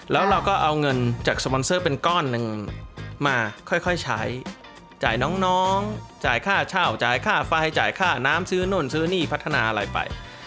แล้วเราก็เอาเงินจากสปอนเซอร์เป็นก้อนหนึ่งมาค่อยใช้จ่ายน้องจ่ายค่าเช่าจ่ายค่าไฟจ่ายค่าน้ำซื้อนู่นซื้อนี่พัฒนาอะไรไป